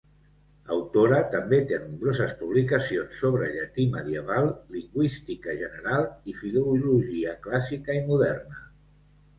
Autora també de nombroses publicacions sobre llatí medieval, lingüística general i filologia clàssica i moderna.